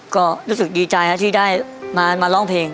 ก็รู้สึกดีใจที่ได้มาร้องเพลง